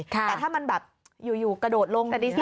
แต่ถ้ามันแบบอยู่กระโดดลง